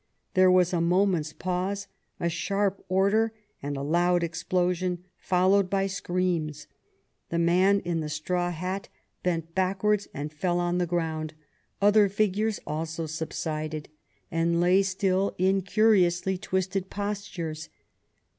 There was a moment's pause, a sharp order and a loud explosion, followed by screams. The man in the straw hat bent backwards and fell on the ground; other figures also subsided and lay still in curiously twisted postures.